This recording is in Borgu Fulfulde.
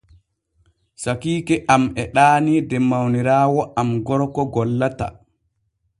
Sakiike am e ɗaanii de mawniraawo am gorko gollata.